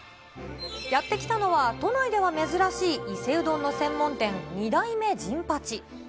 やって来たのは、都内では珍しい伊勢うどんの専門店、二代目甚八。